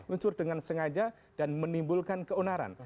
unsur dengan sengaja dan menimbulkan keonaran